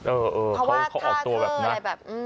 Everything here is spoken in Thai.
เออเขาออกตัวแบบนะเพราะว่าท่าเครื่องอะไรแบบ